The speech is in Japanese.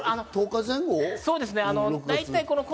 １０日前後？